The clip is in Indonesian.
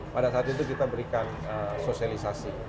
pada saat itu kita berikan sosialisasi